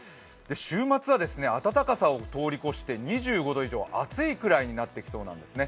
週末は暖かさを通り越して２５度以上、暑いくらいになってきそうなんですね。